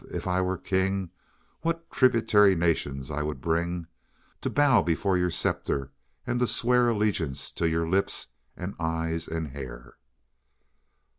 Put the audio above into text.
If I were king What tributary nations I would bring To bow before your scepter and to swear Allegiance to your lips and eyes and hair."